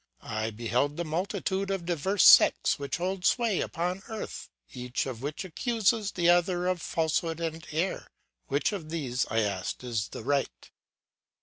I beheld the multitude of diverse sects which hold sway upon earth, each of which accuses the other of falsehood and error; which of these, I asked, is the right?